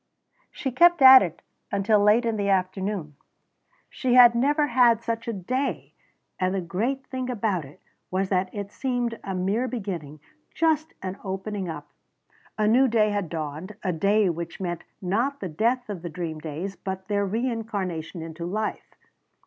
She kept at it until late in the afternoon. She had never had such a day, and the great thing about it was that it seemed a mere beginning, just an opening up. A new day had dawned; a day which meant, not the death of the dream days, but their reincarnation into life.